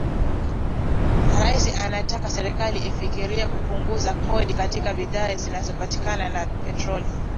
Raia wanataka serikali ifikirie kupunguza kodi katika bidhaa zinazotokana na petroli